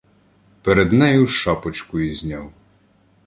Пред нею шапочку ізняв: